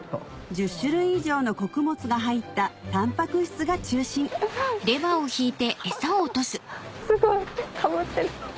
１０種類以上の穀物が入ったたんぱく質が中心すごいかぶってる。